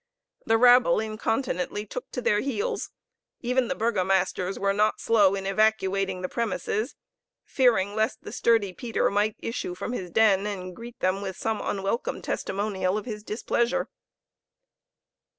The rabble incontinently took to their heels; even the burgomasters were not slow in evacuating the premises, fearing lest the sturdy Peter might issue from his den, and greet them with some unwelcome testimonial of his displeasure.